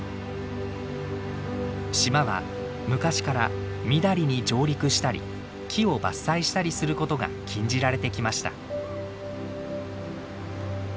島は昔からみだりに上陸したり木を伐採したりすることが禁じられてきました。